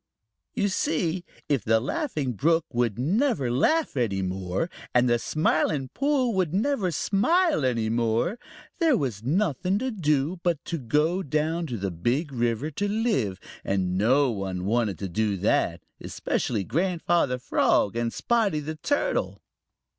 You see, if the Laughing Brook would never laugh any more, and the Smiling Pool would never smile any more, there was nothing to do but to go down to the Big River to live, and no one wanted to do that, especially Grandfather Frog and Spotty the Turtle.